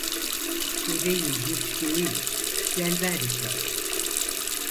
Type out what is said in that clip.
Deveyi yük değil zelber yıkar.